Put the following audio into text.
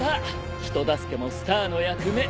人助けもスターの役目。